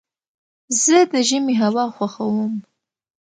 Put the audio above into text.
زه د ژمي هوا خوښوم.